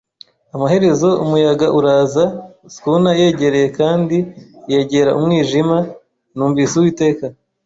Amaherezo, umuyaga uraza; schooner yegereye kandi yegera umwijima; Numvise Uwiteka